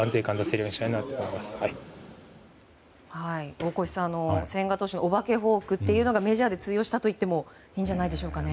大越さん、千賀投手のおばけフォークっていうのがメジャーで通用したといってもいいんじゃないですかね。